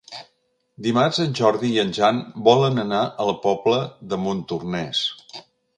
Dimarts en Jordi i en Jan volen anar a la Pobla de Montornès.